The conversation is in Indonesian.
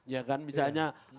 ya kan misalnya